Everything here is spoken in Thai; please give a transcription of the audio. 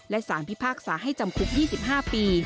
และสารพิพากษาให้จำคุก๒๕ปี